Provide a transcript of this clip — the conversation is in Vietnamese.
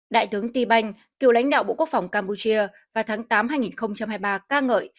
đại tướng ti banh cựu lãnh đạo bộ quốc phòng campuchia vào tháng tám hai nghìn hai mươi ba ca ngợi